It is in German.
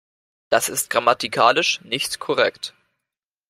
Das ist grammatikalisch nicht korrekt.